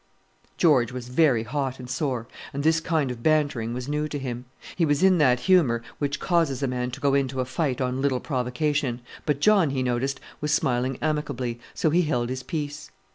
George was very hot and sore; and this sort of bantering was new to him. He was in that humour which causes a man to go into a fight on little provocation; but John, he noticed, was smiling amicably, so he held his peace.